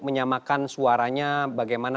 menyamakan suaranya bagaimana